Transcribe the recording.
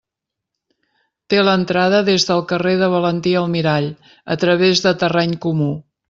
Té l'entrada des del carrer de Valentí Almirall, a través de terreny comú.